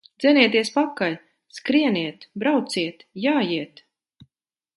Dzenieties pakaļ! Skrieniet, brauciet, jājiet!